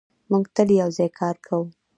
موږ تل یو ځای کار کوو.